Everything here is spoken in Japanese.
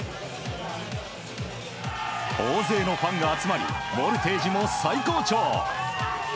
大勢のファンが集まりボルテージも最高潮。